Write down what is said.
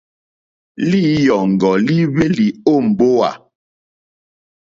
Lǐyɔ̀ŋgɔ́ líhwélì ó mbówà.